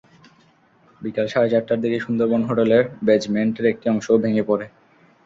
বিকেল সাড়ে চারটার দিকে সুন্দরবন হোটেলের বেজমেন্টের একটি অংশও ভেঙে পড়ে।